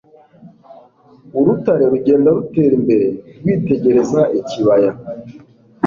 urutare rugenda rutera imbere rwitegereza ikibaya